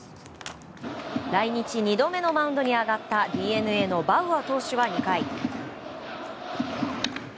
来日２度目のマウンドに上がったＤｅＮＡのバウアー投手は２回。